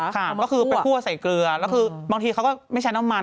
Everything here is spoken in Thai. ค่ะก็คือไปคั่วใส่เกลือแล้วคือบางทีเขาก็ไม่ใช้น้ำมัน